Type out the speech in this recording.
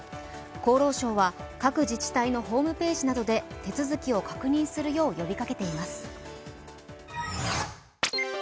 厚労省は各自治体のホームページなどで手続きを確認するよう呼びかけています。